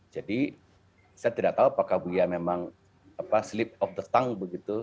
jadi saya tidak tahu apakah buya memang slip of the tongue begitu